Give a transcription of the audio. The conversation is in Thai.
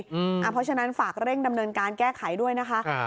เพราะฉะนั้นฝากเร่งดำเนินการแก้ไขด้วยนะคะ